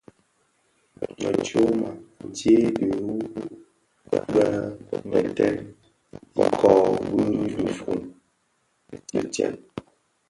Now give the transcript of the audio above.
Më tyoma tse dhihuu bë mèètèn ikōō bi dhifōn tsèb.